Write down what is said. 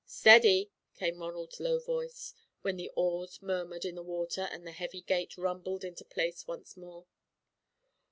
"Steady!" came Ronald's low voice, then the oars murmured in the water and the heavy gate rumbled into place once more.